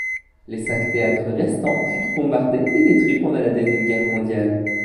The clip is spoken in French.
Les cinq théâtres restants furent bombardés et détruits pendant la Deuxième Guerre mondiale.